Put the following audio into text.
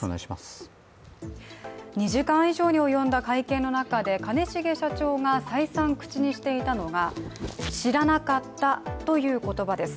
２時間以上に及んだ会見の中で兼重社長が再三口にしていたのが「知らなかった」という言葉です。